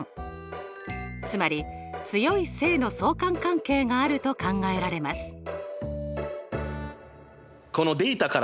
つまり強い正の相関関係があると考えられます。